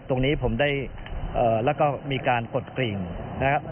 ตรงนี้ผมได้แล้วก็มีการกดกริ่งนะครับ